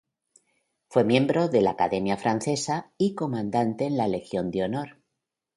Fue miembro de la Academia Francesa y comandante en la Legión de Honor.